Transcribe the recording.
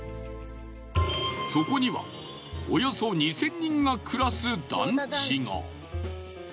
そこにはおよそ２，０００人が暮らす団地が。